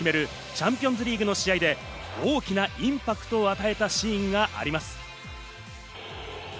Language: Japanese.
チャンピオンズリーグの試合で大きなインパクトを与えたシーンがあります。